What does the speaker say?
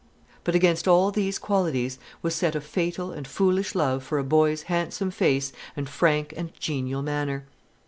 But against all these qualities was set a fatal and foolish love for a boy's handsome face and frank and genial manner.